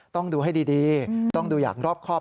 ต้องดูให้ดีต้องดูอย่างรอบครอบ